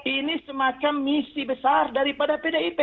ini semacam misi besar daripada pdip